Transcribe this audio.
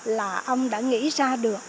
là ông đã nghĩ ra được